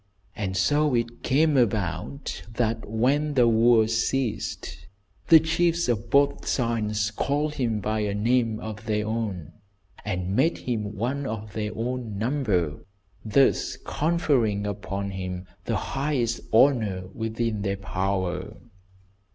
And so it came about that when the wars ceased, the chiefs of both sides called him by a name of their own, and made him one of their own number, thus conferring upon him the highest honour within their power.